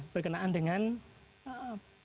berkenaan dengan pasca